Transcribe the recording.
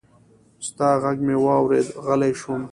ستا غږ مې واورېد، غلی شوم